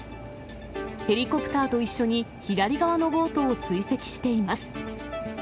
ヘリコプターと一緒に左側のボートを追跡しています。